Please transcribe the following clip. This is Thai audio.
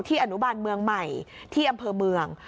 อนุบาลเมืองใหม่ที่อำเภอเมือง